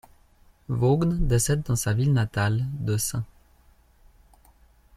Vaughn décède dans sa ville natale de St.